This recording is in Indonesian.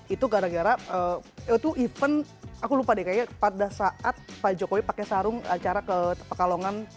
itu gara gara itu event aku lupa deh kayaknya pada saat pak jokowi pakai sarung acara ke pekalongan